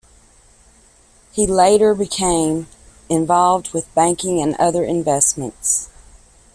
He later became involved with banking and other investments.